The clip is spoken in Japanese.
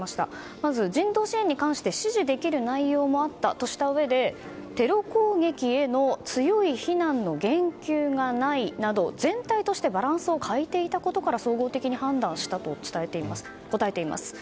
まず人道支援に関して支持できる内容もあったとしたうえでテロ攻撃への強い非難の言及がないなど全体としてバランスを欠いていたことから総合的に判断したと答えています。